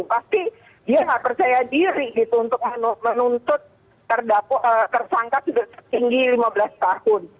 pasti dia nggak percaya diri gitu untuk menuntut tersangka sudah setinggi lima belas tahun